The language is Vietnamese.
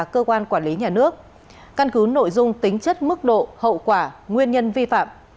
cân cứ nội dung tính chất mức độ hậu quả nguyên nhân vi phạm